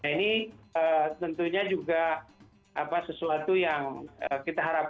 nah ini tentunya juga sesuatu yang kita harapkan